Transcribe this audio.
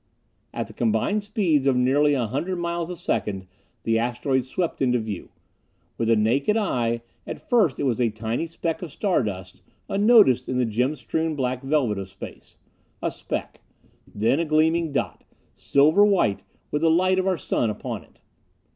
At the combined speeds of nearly a hundred miles a second the asteroid swept into view. With the naked eye, at first it was a tiny speck of star dust, unnoticed in the gem strewn black velvet of Space. A speck. Then a gleaming dot, silver white, with the light of our Sun upon it.